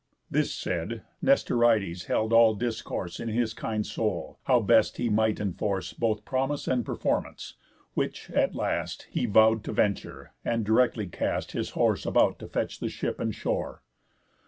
This said, Nestorides held all discourse In his kind soul, how best he might enforce Both promise and performance; which, at last; He vow'd to venture, and directly cast His horse about to fetch the ship and shore.